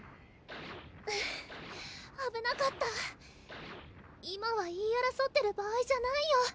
フゥあぶなかった今は言いあらそってる場合じゃないよ